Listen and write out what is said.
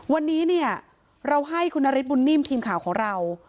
วันนี้เนี่ยเราให้คุณนฤทธบุญนิ่มทีมข่าวของเรา